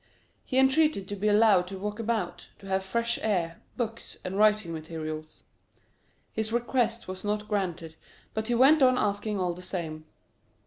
He entreated to be allowed to walk about, to have fresh air, books, and writing materials. His requests were not granted, but he went on asking all the same.